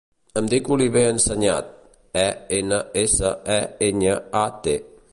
Em dic Oliver Enseñat: e, ena, essa, e, enya, a, te.